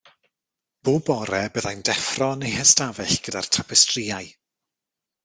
Bob bore byddai'n deffro yn ei hystafell gyda'r tapestrïau.